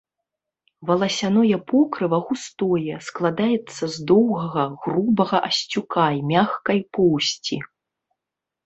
Валасяное покрыва густое, складаецца з доўгага грубага асцюка і мяккай поўсці.